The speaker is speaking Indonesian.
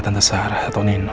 tante sarah atau nino